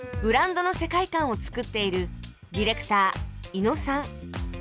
ブランドの世界観をつくっているディレクター伊野さん。